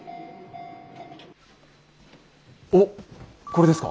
おっこれですか？